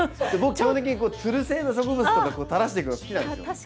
基本的につる性の植物とか垂らしていくの好きなんですよ。